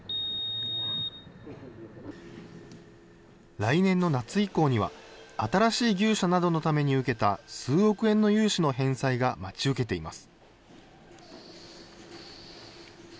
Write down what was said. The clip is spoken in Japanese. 来年の夏以降には、新しい牛舎などのために受けた数億円の融資の返済が待ち受けています。